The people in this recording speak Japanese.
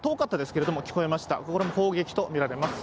これも攻撃とみられます。